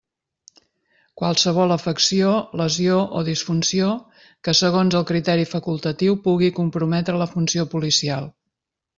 Qualsevol afecció, lesió o disfunció que segons el criteri facultatiu pugui comprometre la funció policial.